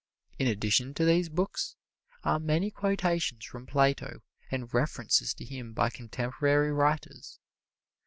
In addition to these books are many quotations from Plato and references to him by contemporary writers.